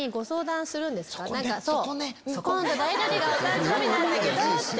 今度誰々がお誕生日なんだけどって。